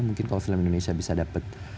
mungkin kalau film indonesia bisa dapat